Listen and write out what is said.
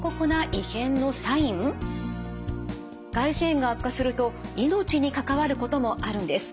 外耳炎が悪化すると命に関わることもあるんです。